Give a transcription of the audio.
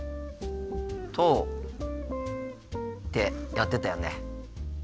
とってやってたよね。